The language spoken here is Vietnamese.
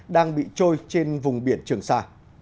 đang bị trôi trên vùng biển trường sa